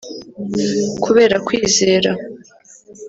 Kubera kwizera